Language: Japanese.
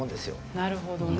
なるほどね。